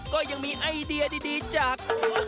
ก็ยังมีไอเดียดีจาก